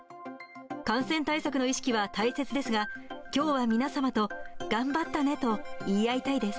感染対策の意識は大切ですが、きょうは皆様と、頑張ったねと、言い合いたいです。